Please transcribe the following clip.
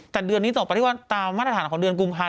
แต่เดือนนี้ต่อไปที่ว่าตามมาตรฐานของเดือนกุมภา